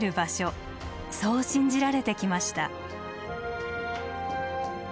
そう信じられてきました。